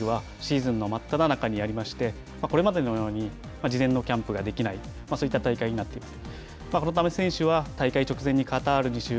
ヨーロッパのリーグはシーズンの真っただ中にありましてこれまでのように事前のキャンプができないそういった大会になっている。